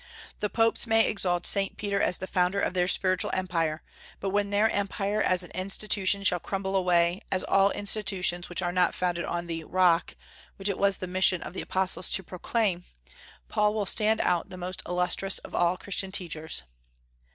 The popes may exalt Saint Peter as the founder of their spiritual empire, but when their empire as an institution shall crumble away, as all institutions must which are not founded on the "Rock" which it was the mission of apostles to proclaim, Paul will stand out the most illustrious of all Christian teachers.